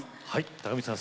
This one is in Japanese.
高道さん